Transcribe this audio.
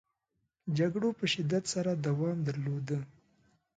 جګړو په شدت سره دوام درلوده.